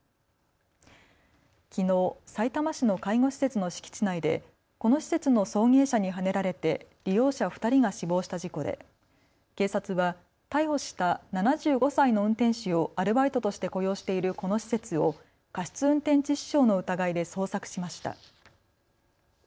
きのう、さいたま市の介護施設の敷地内でこの施設の送迎車にはねられて利用者２人が死亡した事故で警察は逮捕した７５歳の運転手をアルバイトとして雇用しているこの施設を過失運転致死傷の疑いで捜索しました。